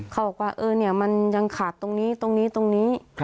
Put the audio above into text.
เขาบอกว่ามันยังขาดตรงนี้ตรงนี้ตรงนี้